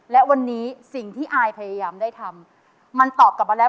และวันนี้สิ่งที่อายพยายามได้ทำมันตอบกลับมาแล้ว